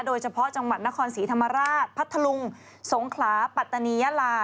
โดยเฉพาะจังหวัดนครศรีธรรมราชพัทธลุงสงขลาปัตตานียาลา